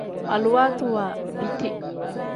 Aluwaatiwa.